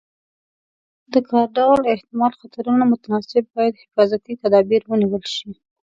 د کار د ډول او احتمالي خطرونو متناسب باید حفاظتي تدابیر ونیول شي.